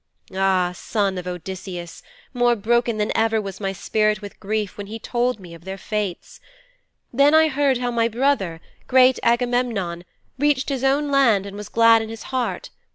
'Ah, son of Odysseus, more broken than ever was my spirit with grief when he told me of their fates. Then I heard how my brother, great Agamemnon, reached his own land and was glad in his heart.